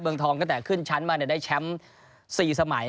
เบืองทองก็แต่ขึ้นชั้นมาเนี่ยได้แชมป์๔สมัย